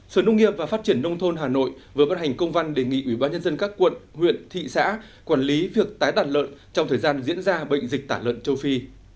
sở nông nghiệp và phát triển nông thôn hà nội vừa vận hành công văn đề nghị ủy ban nhân dân các quận huyện thị xã quản lý việc tái đàn lợn trong thời gian diễn ra bệnh dịch tả lợn châu phi